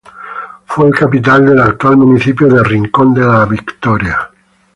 Fue capital del actual municipio de Rincón de la Victoria.